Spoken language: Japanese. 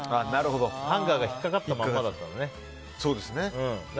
ハンガーが引っかかったままだったのね。